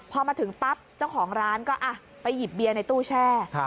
พอมาถึงปั๊บเจ้าของร้านก็ไปหยิบเบียร์ในตู้แช่